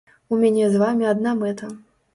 У мяне з вамі адна мэта.